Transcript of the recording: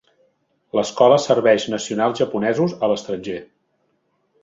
L'escola serveix nacionals japonesos a l'estranger.